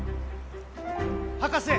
・博士！